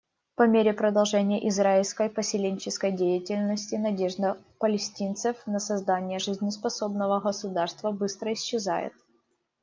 По мере продолжения израильской поселенческой деятельности надежда палестинцев на создание жизнеспособного государства быстро исчезает.